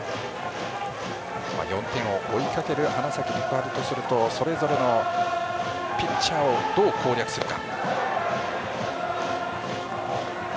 ４点を追いかける花咲徳栄とするとそれぞれのピッチャーをどう攻略するか。